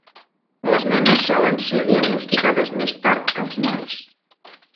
Les nenes solen ser diagnosticades més tard que els nois.